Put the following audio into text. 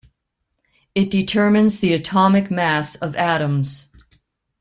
It determines the atomic mass of atoms.